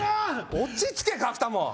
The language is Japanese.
落ち着け角田も